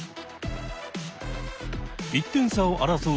１点差を争う